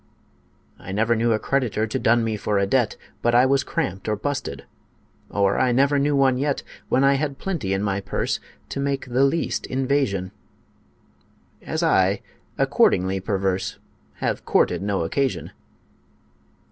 I never knew a creditor To dun me for a debt But I was "cramped" or "busted"; or I never knew one yet, When I had plenty in my purse, To make the least invasion, As I, accordingly perverse, Have courted no occasion.